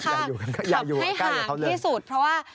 อยากให้ห่างที่สุดเพราะว่า